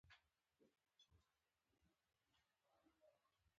برخلیک باید د خپلې ټاکنې محصول وي.